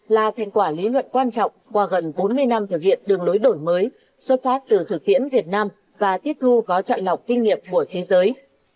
là thành quả lý luận quan trọng qua gần bốn mươi năm thực hiện đường lối đổi mới xuất phát từ thực tiễn việt nam và tiếp thu có trọn lọc kinh nghiệm của thế giới